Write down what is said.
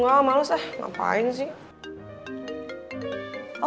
wah males deh ngapain sih